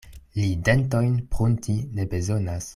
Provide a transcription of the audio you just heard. Li dentojn prunti ne bezonas.